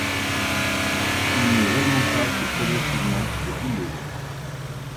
Il ne raugmentera que progressivement au fil des ans.